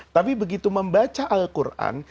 tapi begitu membaca al quran